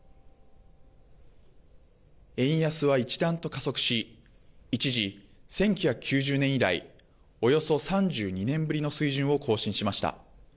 円安は一段と加速し一時１９９０年以来、およそ３２年ぶりの水準を更新しました。